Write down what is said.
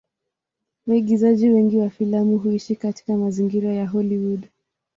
Waigizaji wengi wa filamu huishi katika mazingira ya Hollywood.